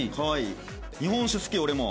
日本酒好き俺も。